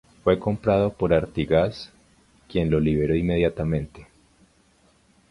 Fue comprado por Artigas, quien lo liberó inmediatamente.